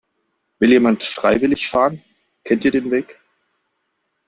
Will jemand freiwillig fahren? Kennt ihr den Weg?